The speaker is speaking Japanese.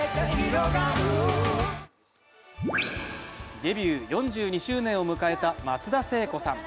デビュー４２周年を迎えた松田聖子さん。